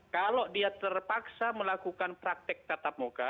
kalau dia terpaksa melakukan praktek tatap muka